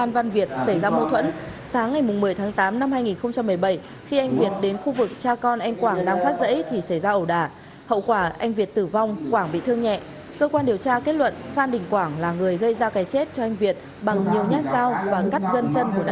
bằng nhiều nhát dao và cắt gân chân của nạn nhân